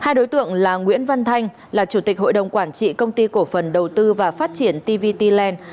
hai đối tượng là nguyễn văn thanh là chủ tịch hội đồng quản trị công ty cổ phần đầu tư và phát triển tvtland